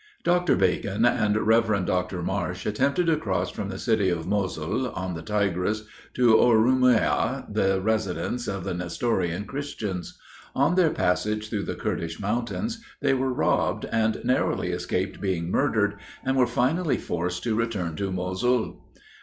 Dr. Bacon and Rev. Mr. Marsh, attempted to cross from the city of Mosul, on the Tigris, to Oroomiah, the residence of the Nestorian Christians. On their passage through the Kurdish mountains, they were robbed, and narrowly escaped being murdered, and were finally forced to return to Mosul. Dr.